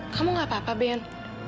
kamu gak apa apa ben